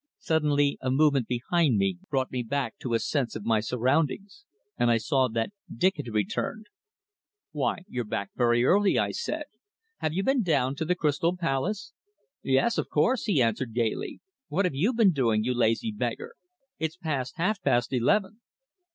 Suddenly a movement behind me brought me back to a sense of my surroundings, and I saw that Dick had returned. "Why, you're back very early," I said. "Have you been down to the Crystal Palace?" "Yes, of course," he answered gaily. "What have you been doing, you lazy beggar? It's past half past eleven."